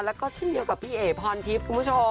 แล้วก็เช่นเดียวกับพี่เอ๋พรทิพย์คุณผู้ชม